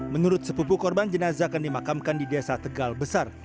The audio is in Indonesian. menurut sepupu korban jenazah akan dimakamkan di desa tegal besar